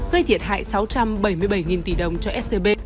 gây thiệt hại sáu trăm bảy mươi bảy tỷ đồng cho scb